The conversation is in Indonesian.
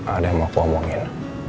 ada yang mau aku omongin